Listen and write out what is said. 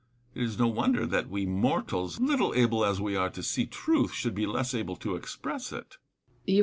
It is no wonder that we mortals, little able as we are to see truth, should be less able to express it.